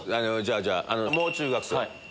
じゃあもう中学生。